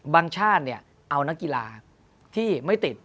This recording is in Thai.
ชาติเอานักกีฬาที่ไม่ติด